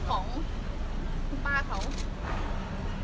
นั่นคืออาจจะเป็นส่วนความไม่พอใจอะไรอย่างเงี้ยค่ะ